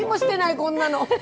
こんなの！